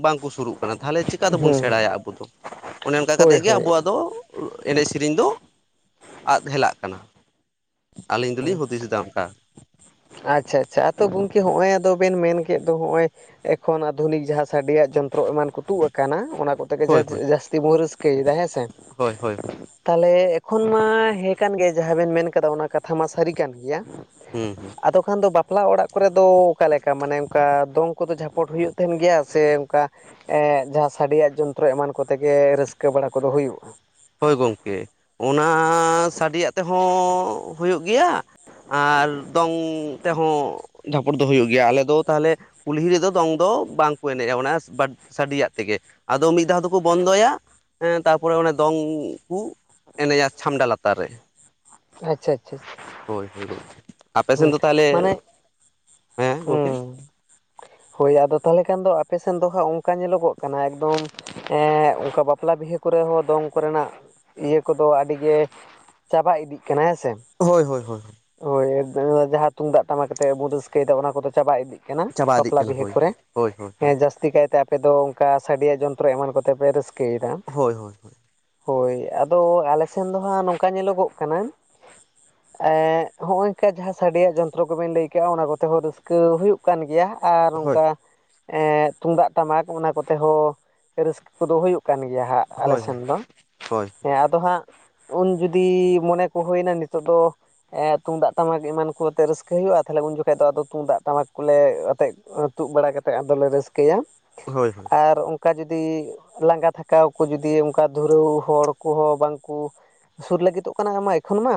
ᱵᱟᱝᱠᱚ ᱥᱩᱨᱩᱜ ᱠᱟᱱᱟ ᱛᱟᱦᱚᱞᱮ ᱪᱤᱠᱟ ᱛᱮᱵᱚᱱ ᱦᱩᱸ ᱥᱮᱬᱟᱭᱟ ᱟᱵᱚ ᱫᱚ, ᱚᱱᱮ ᱚᱱᱠᱟ ᱦᱳᱭ ᱠᱟᱛᱮᱫ ᱜᱮ ᱦᱳᱭ ᱟᱵᱚᱣᱟᱜ ᱫᱚ ᱮᱱᱮᱡ ᱥᱮᱨᱮᱧ ᱫᱚ ᱟᱫ ᱦᱮᱞᱟᱜ ᱠᱟᱱᱟ᱾ ᱟᱹᱞᱤᱧ ᱫᱚᱞᱤᱧ ᱦᱩᱸ᱾ ᱦᱩᱫᱤᱥ ᱮᱫᱟ ᱚᱱᱠᱟ ᱟᱪᱪᱷᱟ ᱟᱪᱪᱷᱟ ᱟᱫᱚ ᱜᱚᱝᱠᱮ ᱦᱚᱸᱜᱼᱚᱭ ᱟᱫᱚ ᱵᱮᱱ ᱢᱮᱱ ᱠᱮᱫ ᱫᱚ ᱦᱚᱸᱜᱼᱚᱭ ᱮᱠᱷᱚᱱ ᱟᱫᱷᱩᱱᱤᱠ ᱡᱟᱦᱟᱸ ᱥᱟᱰᱮᱭᱟᱜ ᱡᱚᱱᱛᱨᱚ ᱮᱢᱟᱱ ᱠᱚ ᱛᱩᱜ ᱟᱠᱟᱱᱟ ᱚᱱᱟ ᱠᱚ ᱛᱮᱜᱮ ᱦᱳᱭ ᱡᱟᱥᱛᱤ ᱦᱳᱭ ᱡᱟᱥᱛᱤ ᱵᱚᱱ ᱨᱟᱹᱥᱠᱟᱹᱭᱮᱫᱟ ᱦᱮᱸ ᱥᱮ, ᱦᱳᱭ ᱦᱳᱭ ᱦᱳᱭ ᱛᱟᱦᱚᱞᱮ ᱮᱠᱷᱚᱱ ᱢᱟ ᱦᱮᱸ ᱠᱟᱱ ᱜᱮ ᱡᱟᱦᱟᱸ ᱵᱮᱱ ᱢᱮᱱ ᱠᱟᱫᱟ ᱚᱱᱟ ᱠᱟᱛᱷᱟ ᱢᱟ ᱥᱟᱹᱨᱤ ᱠᱟᱱ ᱜᱮᱭᱟ, ᱦᱩᱸ ᱦᱩᱸ᱾ ᱟᱫᱚ ᱠᱷᱟᱱ ᱫᱚ ᱵᱟᱯᱞᱟ ᱚᱲᱟᱜ ᱠᱚᱨᱮ ᱫᱚ ᱚᱠᱟ ᱞᱮᱠᱟ ᱢᱟᱱᱮ ᱚᱝᱠᱟ ᱫᱚᱝ ᱠᱚᱫᱚ ᱡᱷᱟᱯᱚᱴ ᱦᱩᱭᱩᱜ ᱛᱟᱦᱮᱸᱱ ᱜᱮᱭᱟ ᱥᱮ ᱚᱝᱠᱟ ᱮᱸ ᱡᱟᱦᱟᱸ ᱥᱟᱰᱮᱭᱟᱜ ᱡᱚᱱᱛᱨᱚ ᱮᱢᱟᱱ ᱠᱚᱛᱮ ᱜᱮ ᱨᱟᱹᱥᱠᱟᱹ ᱵᱟᱲᱟ ᱠᱚᱫᱚ ᱦᱩᱭᱩᱜᱼᱟ? ᱦᱳᱭ ᱜᱚᱝᱠᱮ, ᱚᱱᱟ ᱥᱟᱰᱮᱭᱟᱜ ᱛᱮᱦᱚᱸ ᱦᱳᱭᱳᱜ ᱜᱮᱭᱟ, ᱟᱨ ᱫᱚᱝ ᱛᱮᱦᱚᱸ ᱡᱷᱟᱯᱚᱴ ᱫᱚ ᱦᱳᱭᱳᱜ ᱜᱮᱭᱟ, ᱟᱞᱮ ᱫᱚ ᱛᱟᱦᱚᱞᱮ ᱠᱩᱞᱦᱤ ᱨᱮᱫᱚ ᱫᱚᱝ ᱫᱚ ᱵᱟᱝ ᱠᱚ ᱮᱱᱮᱡᱼᱟ ᱚᱱᱟ ᱵᱟ ᱥᱟᱰᱮᱭᱟᱜ ᱛᱮᱜᱮ, ᱟᱫᱚ ᱢᱤᱫ ᱫᱷᱟᱣ ᱫᱚᱠᱚ ᱵᱚᱱᱫᱚᱭᱟ ᱮᱸ ᱛᱟᱨᱯᱚᱨᱮ ᱚᱱᱟ ᱫᱚᱝ ᱠᱚ ᱮᱱᱮᱡᱟ ᱪᱷᱟᱢᱰᱟ ᱞᱟᱛᱟᱨ ᱨᱮ᱾ ᱟᱪᱪᱷᱟ ᱟᱪᱪᱷᱟ᱾ ᱦᱳᱭ ᱦᱳᱭ ᱜᱚᱝᱠᱮ, ᱟᱯᱮ ᱥᱮᱱ ᱦᱩᱸ ᱫᱚ ᱛᱟᱦᱚᱞᱮ, ᱢᱟᱱᱮ ᱦᱮᱸ ᱜᱚᱝᱠᱮ? ᱦᱩᱸ ᱦᱳᱭ ᱟᱫᱚ ᱛᱟᱦᱚᱞᱮ ᱠᱷᱟᱱ ᱫᱚ ᱟᱯᱮ ᱥᱮᱱ ᱫᱚ ᱦᱟᱸᱜ ᱚᱝᱠᱟ ᱧᱮᱞᱚᱜᱚᱜ ᱠᱟᱱᱟ ᱮᱠᱫᱚᱢ, ᱮᱸᱻ ᱚᱝᱠᱟ ᱵᱟᱯᱞᱟ ᱵᱤᱦᱟᱹ ᱠᱚᱨᱮ ᱦᱚᱸ ᱫᱚᱝ ᱠᱚ ᱨᱮᱱᱟᱜ ᱤᱭᱟᱹ ᱠᱚᱫᱚ ᱟᱹᱰᱤ ᱜᱮ ᱪᱟᱵᱟ ᱤᱫᱤᱜ ᱠᱟᱱᱟ ᱦᱮᱸ ᱥᱮ᱾ ᱦᱳᱭ ᱦᱳᱭ ᱦᱳᱭ᱾ ᱦᱳᱭ ᱡᱟᱦᱟᱸ ᱛᱩᱢᱫᱟᱜ ᱴᱟᱢᱟᱠ ᱟᱛᱮᱜ ᱵᱚᱱ ᱨᱟᱹᱥᱠᱟᱹᱭᱮᱫᱟ ᱚᱱᱟ ᱠᱚᱫᱚ ᱪᱟᱵᱟ ᱤᱫᱤᱜ ᱠᱟᱱᱟ ᱪᱟᱵᱟ ᱤᱫᱤᱜ ᱵᱟᱯᱞᱟ ᱠᱟᱱᱟ ᱵᱤᱦᱟᱹ ᱦᱳᱭ ᱠᱚᱨᱮ, ᱦᱳᱭ ᱦᱳᱭ ᱦᱮᱸ ᱡᱟᱥ ᱛᱤ ᱠᱟᱭᱛᱮ ᱟᱯᱮ ᱫᱚ ᱚᱝᱠᱟ ᱥᱟᱰᱮᱭᱟᱜ ᱡᱚᱱᱛᱨᱚ ᱮᱢᱟᱱ ᱠᱚᱛᱮ ᱯᱮ ᱨᱟᱹᱥᱠᱟᱹᱭᱮᱫᱟ᱾ ᱦᱳᱭ ᱦᱳᱭ ᱦᱳᱭ ᱦᱳᱭ ᱟᱫᱚ ᱟᱯᱮ ᱥᱮᱱ ᱫᱚ ᱦᱟᱸᱜ ᱱᱚᱝᱠᱟ ᱧᱮᱞᱚᱜᱚᱜ ᱠᱟᱱᱟ, ᱮᱸ ᱦᱚᱸᱜ-ᱚᱭ ᱠᱟ ᱡᱟᱦᱟᱸ ᱥᱟᱰᱮᱭᱟᱜ ᱡᱚᱱᱛᱨᱚ ᱠᱚᱵᱮᱱ ᱞᱟᱹᱭ ᱠᱟᱜᱼᱟ ᱚᱱᱟ ᱠᱚᱛᱮ ᱦᱚ ᱨᱟᱹᱥᱠᱟᱹ ᱦᱩᱭᱩᱜ ᱠᱟᱱ ᱜᱮᱭᱟ ᱟᱨ ᱦᱳᱭ ᱚᱝᱠᱟ ᱮᱸᱻ ᱛᱩᱢᱫᱟᱜ ᱴᱟᱢᱟᱠ ᱚᱱᱟ ᱠᱚᱛᱮ ᱦᱚᱸ ᱨᱟᱹᱥᱠᱟᱹ ᱠᱚᱫᱚ ᱦᱩᱭᱩᱜ ᱠᱟᱱ ᱜᱮᱭᱟ ᱦᱟᱸᱜ᱾ ᱟᱞᱮ ᱦᱳᱭ ᱦᱳᱭ ᱥᱮᱱ ᱫᱚ, ᱦᱳᱭ ᱦᱮᱸ ᱟ ᱫᱚ ᱦᱟᱸᱜ ᱩᱱ ᱡᱩᱫᱤ ᱢᱚᱱᱮ ᱠᱚ ᱦᱳᱭᱮᱱᱟ ᱱᱤᱛᱚᱜ ᱫᱚ ᱮᱸᱻ ᱛᱩᱢᱫᱟᱜ ᱛᱟᱢᱟᱠ ᱮᱢᱟᱱ ᱠᱚ ᱟᱛᱮᱫ ᱨᱟᱹᱥᱠᱟᱹ ᱦᱩᱭᱩᱜᱼᱟ ᱛᱟᱦᱚᱞᱮ ᱩᱱ ᱡᱚᱠᱷᱟᱡ ᱫᱚ ᱟᱫᱚ ᱛᱩᱢᱫᱟᱜ ᱴᱟᱢᱟᱠ ᱠᱚᱞᱮ ᱟᱛᱮᱜ ᱛᱩᱜ ᱵᱟᱲᱟ ᱠᱟᱛᱮᱫ ᱟᱫᱚᱞᱮ ᱨᱟᱹᱥᱠᱟᱹᱭᱟ᱾ ᱦᱳᱭ ᱦᱳᱭ᱾ ᱟᱨ ᱚᱝᱠᱟ ᱡᱩᱫᱤ ᱞᱟᱸᱜᱟ ᱛᱷᱟᱠᱟᱣ ᱠᱟ ᱡᱚᱫᱤ ᱚᱝᱠᱟ ᱫᱷᱩᱨᱟᱹᱣ ᱦᱚᱲ ᱠᱚᱦᱚᱸ ᱵᱟᱝᱠᱩ ᱥᱩᱨ ᱞᱟᱹᱜᱤᱫᱚᱜ ᱠᱟᱱᱟ ᱟᱢᱢᱟ ᱮᱠᱷᱚᱱ ᱢᱟ,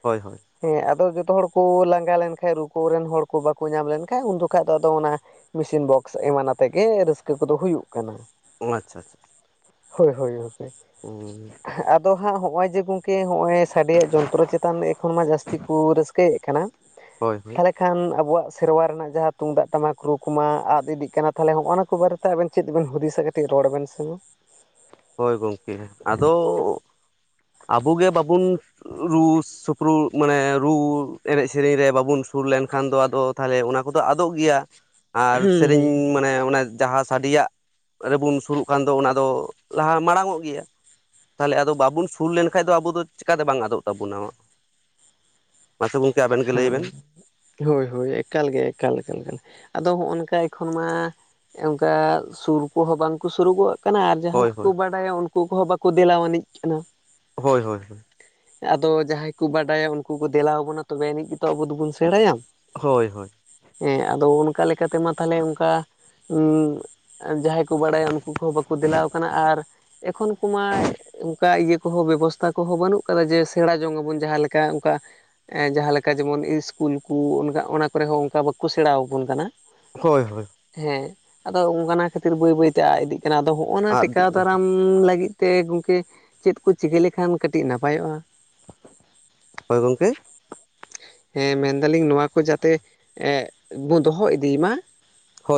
ᱦᱳᱭ ᱦᱳᱭ᱾ ᱦᱮᱸ ᱟᱫᱚ ᱡᱚᱛᱚ ᱦᱚᱲ ᱠᱚ ᱞᱟᱸᱜᱟ ᱞᱮᱱᱠᱷᱟᱡ ᱨᱩ ᱠᱚ ᱨᱮᱱ ᱦᱚᱲ ᱠᱚ ᱵᱟᱠᱚ ᱧᱟᱢ ᱞᱮᱱᱠᱷᱟᱡ ᱩᱱ ᱡᱚᱠᱷᱟᱡ ᱫᱚ ᱟᱫᱚ ᱚᱱᱟ ᱢᱮᱥᱤᱱ ᱵᱚᱠᱥ ᱮᱢᱟᱱ ᱟᱛᱮᱜ ᱜᱮ ᱨᱟᱹᱥᱠᱟᱹ ᱠᱚᱫᱚ ᱦᱩᱭᱩᱜ ᱠᱟᱱᱟ᱾ ᱚ ᱟᱪᱪᱷᱟ ᱟᱪᱪᱷᱟ᱾ ᱦᱳᱭ ᱦᱳᱭ ᱦᱳᱭ ᱦᱳᱭ, ᱦᱩᱸ ᱟᱨ ᱟᱫᱚ ᱦᱟᱸᱜ ᱦᱚᱜᱼᱚᱭ ᱡᱮ ᱜᱚᱝᱠᱮ ᱦᱚᱸᱜ-ᱚᱭ ᱥᱟᱰᱮᱭᱟᱜ ᱡᱚᱱᱛᱨᱚ ᱪᱮᱛᱟᱱ ᱮᱠᱷᱚᱱ ᱢᱟ ᱡᱟᱹᱥᱛᱤ ᱠᱩ ᱨᱟᱹᱥᱠᱟᱹᱭᱮᱜ ᱠᱟᱱᱟ᱾ ᱦᱳᱭ ᱦᱳᱭ᱾ ᱛᱟᱦᱚᱞᱮ ᱠᱷᱟᱱ ᱟᱵᱚᱣᱟᱜ ᱥᱮᱨᱣᱟ ᱨᱮᱱᱟᱜ ᱡᱟᱦᱟᱸ ᱛᱩᱢᱫᱟᱜ ᱴᱟᱢᱟᱠ ᱨᱩ ᱠᱩᱢᱟ ᱟᱫ ᱤᱫᱤᱜ ᱠᱟᱱᱟ ᱛᱟᱦᱚᱞᱮ ᱦᱚᱜᱼᱚᱱᱟ ᱠᱚ ᱵᱟᱨᱮ ᱛᱮ ᱟᱵᱮᱱ ᱪᱮᱫ ᱵᱮᱱ ᱦᱩᱫᱤᱥᱟ ᱠᱟᱹᱴᱤᱡ ᱨᱚᱲ ᱵᱮᱱ ᱥᱮ ᱢᱟ? ᱦᱳᱭ ᱜᱚᱝᱠᱮ ᱟᱫᱚ? ᱟᱵᱚᱜᱮ ᱵᱟᱵᱩᱱ ᱨᱩᱥ ᱥᱩᱯᱨᱩ ᱢᱟᱱᱮ ᱨᱩ ᱮᱱᱮᱡ ᱥᱮᱨᱮᱧ ᱨᱮ ᱵᱟᱵᱚᱱ ᱥᱩᱨ ᱞᱮᱱᱠᱷᱟᱱ ᱫᱚ ᱟᱫᱚ ᱛᱟᱦᱚᱞᱮ ᱚᱱᱟ ᱠᱚᱫᱚ ᱟᱫᱚᱜ ᱜᱮᱭᱟ ᱟᱨ ᱦᱩᱸ ᱥᱮᱨᱮᱧ ᱦᱩᱸ ᱢᱟᱱᱮ ᱚᱱᱟ ᱡᱟᱦᱟᱸ ᱥᱟᱰᱮᱭᱟᱜ ᱨᱮᱵᱚᱱ ᱥᱩᱨᱩᱜ ᱠᱟᱱ ᱫᱚ, ᱚᱱᱟ ᱫᱚ ᱞᱟᱦᱟ ᱢᱟᱲᱟᱝᱚᱜ ᱜᱮᱭᱟ᱾ ᱛᱟᱦᱚᱞᱮ ᱟᱫᱚ ᱵᱟᱵᱩᱱ ᱥᱩᱨ ᱞᱮᱱᱠᱷᱟᱡ ᱫᱚ ᱟᱵᱚ ᱫᱚ ᱪᱮᱠᱟᱛᱮ ᱵᱟᱝ ᱟᱫᱚᱜ ᱛᱟᱵᱩᱱᱟ ᱢᱟᱥᱮ ᱜᱚᱝ ᱦᱮᱸ᱾ ᱦᱳᱭ ᱦᱳᱭ, ᱮᱠᱟᱞᱜᱮ ᱮᱠᱟᱞ ᱮᱠᱟᱞ ᱟᱫᱚ ᱦᱚᱸᱜᱼ ᱱᱚᱝᱠᱟ ᱮᱠᱷᱚᱱ ᱢᱟ ᱚᱝᱠᱟ ᱥᱩᱨ ᱠᱚᱦᱚᱸ ᱵᱟᱝᱠᱚ ᱥᱩᱨᱩᱜᱚᱜ᱾ ᱠᱟᱱᱟ ᱟᱨ ᱡᱟᱦᱟᱸᱭ ᱦᱳᱭ ᱠᱚᱠᱚ ᱦᱳᱭ ᱵᱟᱰᱟᱭᱟ ᱩᱱᱠᱩ ᱠᱚᱦᱚᱸ ᱵᱟᱠᱩ ᱫᱮᱞᱟᱣᱟᱱᱤᱡ ᱠᱟᱱᱟ᱾ ᱦᱳᱭ ᱦᱳᱭ ᱦᱳᱭ᱾ ᱟᱫᱚ ᱡᱟᱦᱟᱸᱭ ᱠᱚ ᱵᱟᱰᱟᱭᱟ ᱩᱱᱠᱩ ᱠᱩ ᱫᱮᱞᱟ ᱟᱵᱚᱱᱟ, ᱛᱚᱵᱮ ᱟᱹᱱᱤᱡ ᱜᱮᱛᱚ ᱟᱵᱚ ᱫᱚᱵᱚᱱ ᱥᱮᱬᱟᱭᱟ᱾ ᱦᱳᱭ ᱦᱳᱭ ᱾ ᱦᱮᱸ ᱟᱫᱚ ᱚᱱᱠᱟ ᱞᱮᱠᱟ ᱛᱮᱢᱟ ᱛᱟᱦᱞᱮ ᱚᱱᱠᱟ, ᱩᱸ ᱡᱟᱦᱟᱸᱭ ᱠᱚ ᱵᱟᱲᱟᱭᱟ ᱩᱱᱠᱩ ᱠᱚᱦᱚᱸ ᱵᱟᱠᱚ ᱫᱮᱞᱟᱣ ᱠᱟᱱᱟ ᱟᱨ ᱮᱠᱷᱚᱱ ᱠᱚᱢᱟ ᱚᱱᱠᱟ ᱤᱭᱟᱹ ᱠᱩ ᱦᱚᱸ ᱵᱮᱵᱚᱥᱛᱷᱟ ᱠᱚᱦᱚᱸ ᱵᱟᱹᱱᱩᱜ ᱠᱟᱫᱟ ᱡᱮ ᱥᱮᱬᱟ ᱡᱚᱝ ᱟᱵᱚᱱ ᱡᱟᱦᱟᱸ ᱞᱮᱠᱟ ᱚᱱᱠᱟ ᱮᱸ ᱡᱟᱦᱟᱸ ᱞᱮᱠᱟ ᱡᱮᱢᱚᱱ ᱤᱥᱠᱩᱞ ᱠᱩ ᱚᱱᱠᱟ ᱚᱱᱟ ᱠᱚᱨᱮ ᱦᱚᱸ ᱚᱱᱠᱟ ᱵᱟᱠᱚ ᱥᱮᱬᱟ ᱟᱵᱩᱱ ᱠᱟᱱᱟ᱾ ᱦᱳᱭ ᱦᱳᱭ᱾ ᱦᱮᱸ ᱟᱫᱚ ᱚᱱᱟ ᱠᱷᱟᱛᱤᱨ ᱵᱟᱹᱭ ᱵᱟᱹᱭᱛᱮ ᱟᱜ ᱤᱫᱤᱜ ᱠᱟᱱᱟ, ᱟᱫᱚ ᱦᱚᱜ-ᱚᱱᱟ ᱟᱫ ᱤᱫᱤᱜ ᱴᱮᱠᱟᱣ ᱠᱟᱱᱟ ᱫᱟᱨᱟᱢ᱾ ᱤ ᱞᱟᱹᱜᱤᱫ ᱛᱮ ᱜᱚᱝᱠᱮ ᱪᱮᱫ ᱠᱚ ᱪᱤᱠᱟᱹ ᱞᱮᱠᱷᱟᱱ ᱠᱟᱹᱴᱤᱡ ᱱᱟᱯᱟᱭᱚᱜᱼᱟ? ᱦᱳᱭ ᱜᱚᱝᱠᱮ? ᱦᱮᱸ ᱢᱮᱱᱫᱟᱞᱤᱧ ᱱᱚᱣᱟ ᱠᱚ ᱡᱟᱛᱮ ᱮᱸᱜ ᱵᱚ ᱫᱚᱦᱚ ᱤᱫᱤ ᱢᱟ ᱦᱳᱭ